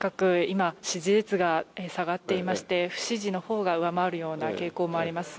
今、支持率が下がっていまして不支持のほうが上回るような傾向もあります。